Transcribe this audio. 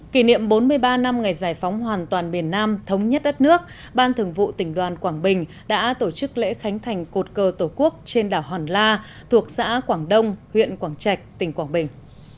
kỷ niệm bốn mươi ba năm ngày giải phóng hoàn toàn miền nam thống nhất đất nước ban thường vụ tỉnh đoàn quảng bình đã tổ chức lễ khánh thành cột cờ tổ quốc trên đảo hòn la thuộc xã quảng đông huyện quảng trạch tỉnh quảng bình